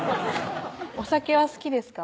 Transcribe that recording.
「お酒は好きですか？」